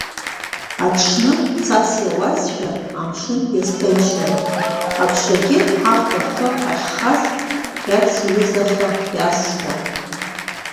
Аҽны, цас иауазшәа, амшын иазҭынчран, аԥшагьы хаӷба ахы ахьхаз иацҩызаха иасуан.